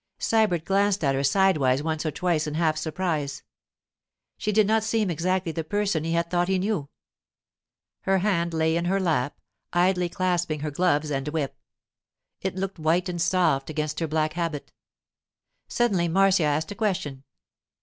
Sybert glanced at her sidewise once or twice in half surprise; she did not seem exactly the person he had thought he knew. Her hand lay in her lap, idly clasping her gloves and whip. It looked white and soft against her black habit. Suddenly Marcia asked a question.